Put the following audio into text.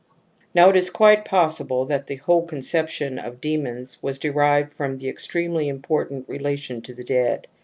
Now it is quite possible that the whole conception of demons was derived from the extremely important relation to the dead.